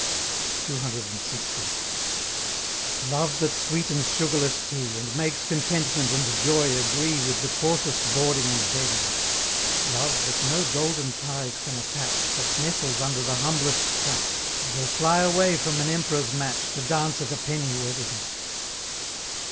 CCLX. Love that sweetens sugarless tea, And makes contentment and joy agree With the coarsest boarding and bedding: Love, that no golden ties can attach, But nestles under the humblest thatch, And will fly away from an Emperor's match To dance at a Penny Wedding!